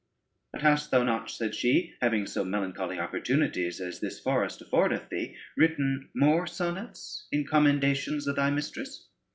"But hast thou not," said she, "having so melancholy opportunities as this forest affordeth thee, written more sonnets in commendations of thy mistress?"